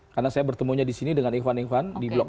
karena saya bertemunya di sini dengan ikhwan ikhwan di blok a